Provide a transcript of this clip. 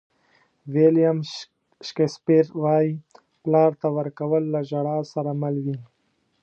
ویلیام شکسپیر وایي پلار ته ورکول له ژړا سره مل وي.